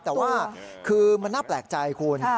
แต่ว่าคือมันน่าแปลกใจคุณ